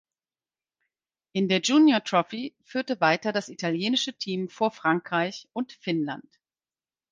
In der Junior Trophy führte weiter das italienische Team vor Frankreich und Finnland.